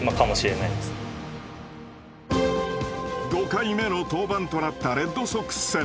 ５回目の登板となったレッドソックス戦。